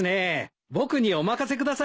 僕にお任せください。